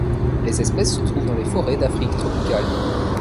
Les espèces se trouvent dans les forêts d'Afrique tropicale.